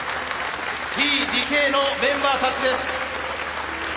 Ｔ・ＤＫのメンバーたちです。